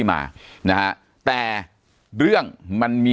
ปากกับภาคภูมิ